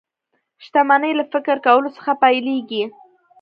شتمني له فکر کولو څخه پيلېږي